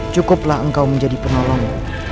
cukuplah engkau menjadi penolong